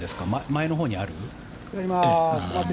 前のほうにある？